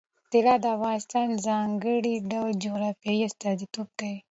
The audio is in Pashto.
طلا د افغانستان د ځانګړي ډول جغرافیه استازیتوب کوي.